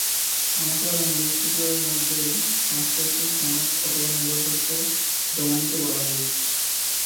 আমাকে আগামী বৃহস্পতিবারের মধ্যে মাস্টার্সের সনদ অথবা নম্বরপত্র জমা দিতে বলা হয়েছে।